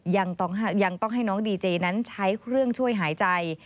ยังต้องให้น้องดีเจนั้นใช้เครื่องช่วยหายใจ